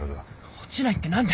落ちないって何で。